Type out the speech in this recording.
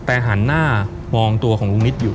แต่หันหน้ามองตัวของลุงนิดอยู่